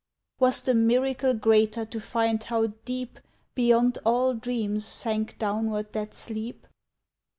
"Was the miracle greater to find how deep Beyond all dreams sank downward that sleep?